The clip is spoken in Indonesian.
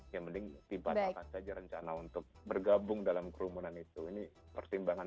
yang mending tiba tiba saja rencana untuk bergabung dalam kerumunan itu ini persimbangan